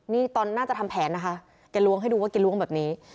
นี่ตอนน่าจะทำแผนนะคะแกล้วงให้ดูว่าแกล้วงแบบนี้